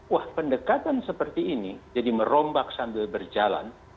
wah pendekatan seperti ini jadi merombak sambil berjalan